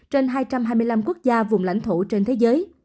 trên hai trăm hai mươi năm quốc gia vùng lãnh thổ trên thế giới